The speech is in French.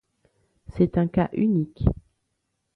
C’est un cas unique.